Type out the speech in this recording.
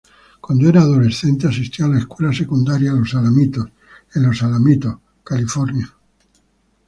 Cuando era adolescente asistió a la Escuela Secundaria Los Alamitos en Los Alamitos, California.